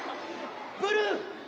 ブルー！